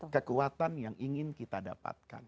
kekuatan yang ingin kita dapatkan